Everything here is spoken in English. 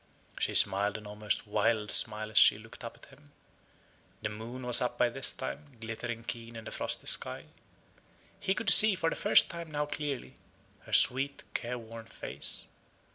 She smiled an almost wild smile as she looked up at him. The moon was up by this time, glittering keen in the frosty sky. He could see, for the first time now clearly, her sweet careworn face.